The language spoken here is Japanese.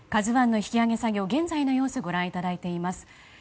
「ＫＡＺＵ１」の引き揚げ作業、現在の様子をご覧いただいています。